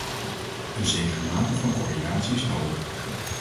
Een zekere mate van coördinatie is nodig.